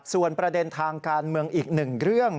ส่วนประเด็นทางการเมืองอีกหนึ่งเรื่อง